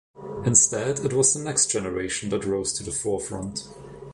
Instead it was the next generation that rose to the forefront.